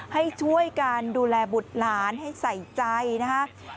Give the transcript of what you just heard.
ให้ช่วยกันดูแลบุตรหลานให้ใส่ใจนะครับ